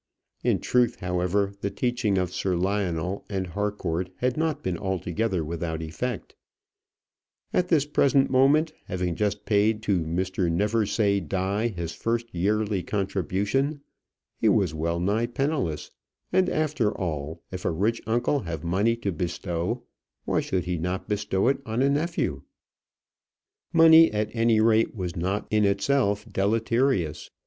In truth, however, the teaching of Sir Lionel and Harcourt had not been altogether without effect: at this present moment, having just paid to Mr. Neversaye Die his first yearly contribution, he was well nigh penniless; and, after all, if a rich uncle have money to bestow, why should he not bestow it on a nephew? Money, at any rate, was not in itself deleterious.